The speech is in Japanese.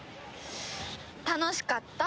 楽しかった？